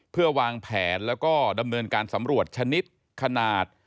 เพื่อวางแผนแล้วก็ดำเนินการสำรวจชนิดขนาด